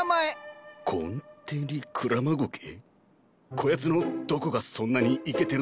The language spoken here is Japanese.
こやつのどこがそんなにイケてるんですか？